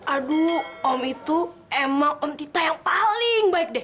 aduh om itu emang om tita yang paling baik deh